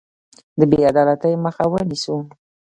د بې عدالتۍ مخه ونیسو.